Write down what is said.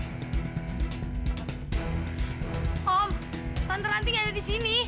om tante ranti gak ada disini